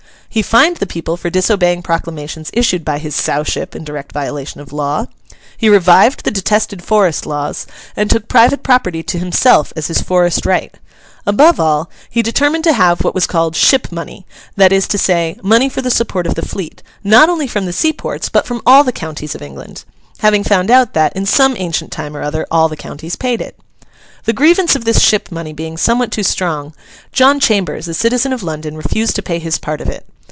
He fined the people for disobeying proclamations issued by his Sowship in direct violation of law. He revived the detested Forest laws, and took private property to himself as his forest right. Above all, he determined to have what was called Ship Money; that is to say, money for the support of the fleet—not only from the seaports, but from all the counties of England: having found out that, in some ancient time or other, all the counties paid it. The grievance of this ship money being somewhat too strong, John Chambers, a citizen of London, refused to pay his part of it.